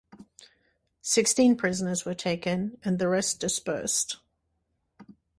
Sixteen prisoners were taken and the rest dispersed.